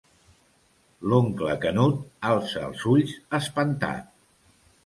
L'oncle Canut alça els ulls, espantat.